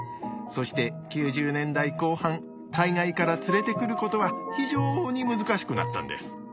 そして９０年代後半海外から連れてくることは非常に難しくなったんです。